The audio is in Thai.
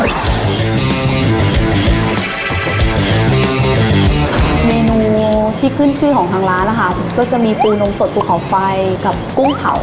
เมนูที่ขึ้นชื่อของทางร้านนะคะก็จะมีปูนมสดภูเขาไฟกับกุ้งเผา